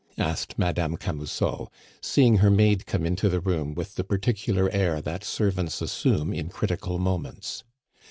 asked Madame Camusot, seeing her maid come into the room with the particular air that servants assume in critical moments.